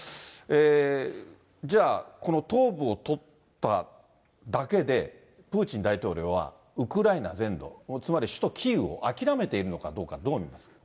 じゃあ、この東部を取っただけでプーチン大統領はウクライナ全土、つまり首都キーウを諦めているのかどうか、どう見ますか？